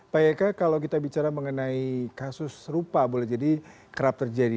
pak eka kalau kita bicara mengenai kasus serupa boleh jadi kerap terjadi